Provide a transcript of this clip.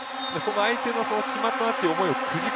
その決まったという思いをくじく